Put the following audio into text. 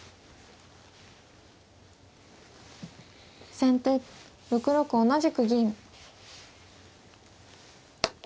先手６六同じく銀。